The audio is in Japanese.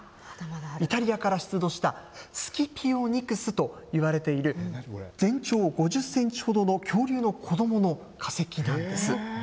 イタリアから出土した、スキピオニクスといわれている、全長５０センチほどの恐竜の子どもの化石なんです。